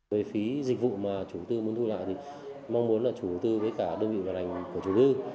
về phí dịch vụ mà chủ tư muốn thu lại thì mong muốn là chủ tư với cả đơn vị vận hành của chủ tư